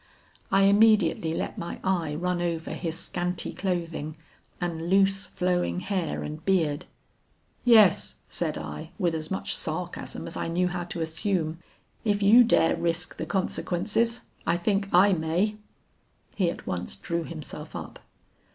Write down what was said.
I immediately let my eye run over his scanty clothing and loose flowing hair and beard. 'Yes,' said I, with as much sarcasm as I knew how to assume, 'if you dare risk the consequences, I think I may.' He at once drew himself up.